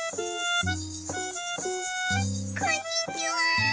こんにちは！